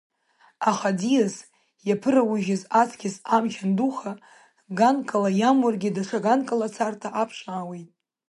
Аха аӡиас, иаԥыраужьыз аҵкыс амч андуха, ганкала иамургьы, даҽа ганкала ацарҭа аԥшаауеит.